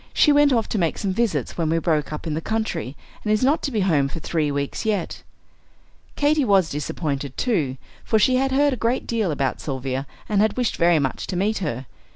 She went off to make some visits when we broke up in the country, and is not to be home for three weeks yet." Katy was disappointed, too, for she had heard a great deal about Sylvia and had wished very much to meet her.